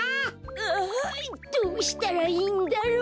ああどうしたらいいんだろう。